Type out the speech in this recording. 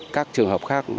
các trường hợp khác